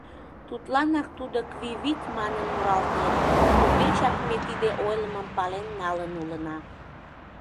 Тудланак тудо «кви-вить» манын муралтен, туддечак ме тиде ойлымым пален налын улына.